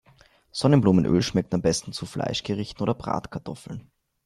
Sonnenblumenöl schmeckt am besten zu Fleischgerichten oder Bratkartoffeln.